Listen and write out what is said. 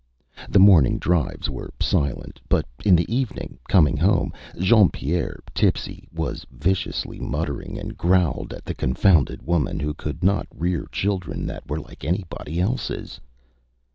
The morning drives were silent; but in the evening, coming home, Jean Pierre, tipsy, was viciously muttering, and growled at the confounded woman who could not rear children that were like anybody elseÂs.